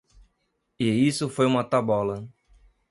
E isso foi uma tabola.